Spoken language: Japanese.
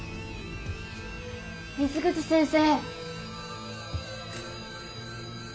水口先生。